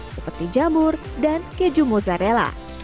seperti jamur dan keju mozzarella